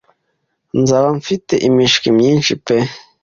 nzaba mfite imishwi myinshi pe